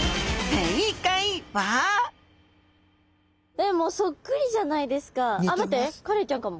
えっもうそっくりじゃないですかあっ待ってカレイちゃんかも。